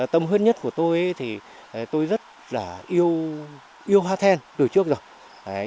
tâm huyết nhất của tôi thì tôi rất là yêu hoa then từ trước rồi